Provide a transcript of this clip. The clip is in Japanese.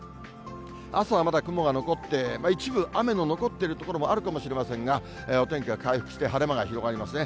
朝はまだ雲が残って、一部雨の残っている所もあるかもしれませんが、お天気は回復して晴れ間が広がりますね。